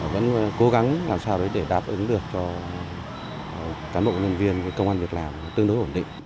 vẫn cố gắng làm sao để đáp ứng được cho cán bộ nhân viên công an việc làm tương đối ổn định